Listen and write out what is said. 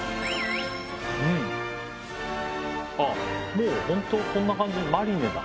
あっもうホントこんな感じマリネだ。